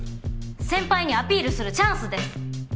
先輩にアピールするチャンスです！